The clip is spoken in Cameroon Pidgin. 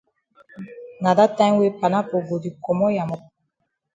Na dat time wey panapo go di komot ya mop.